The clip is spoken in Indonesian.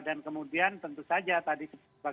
dan kemudian tentu saja tadi sebagai disampaikan mas jirmawan